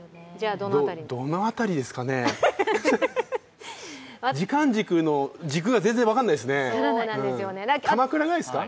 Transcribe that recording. どの辺りですかね時間軸の軸が全然分かんないですね鎌倉ぐらいですか？